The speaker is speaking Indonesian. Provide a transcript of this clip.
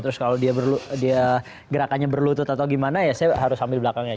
terus kalau dia gerakannya berlutut atau gimana ya saya harus ambil belakangnya